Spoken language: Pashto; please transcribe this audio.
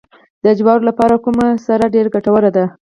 د جوارو لپاره کومه سره ډیره ګټوره ده؟